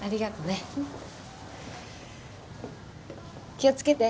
気を付けて。